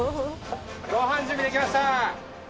・ごはん準備できました！